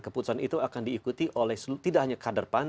keputusan itu akan diikuti oleh tidak hanya kader pan